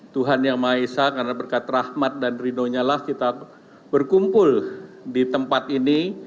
tuhan yang maha esa karena berkat rahmat dan rindunya lah kita berkumpul di tempat ini